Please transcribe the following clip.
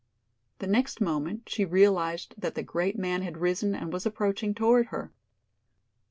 The next moment she realized that the great man had risen and was approaching toward her.